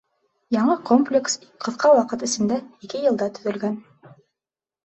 Яңы комплекс ҡыҫҡа ваҡыт эсендә — ике йылда — төҙөлгән.